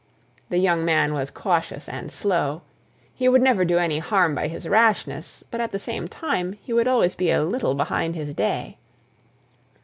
The young man was cautious and slow; he would never do any harm by his rashness, but at the same time he would always be a little behind his day.